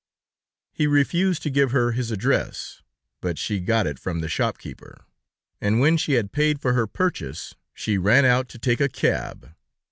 He refused to give her his address, but she got it from the shop keeper, and when she had paid for her purchase, she ran out to take a cab.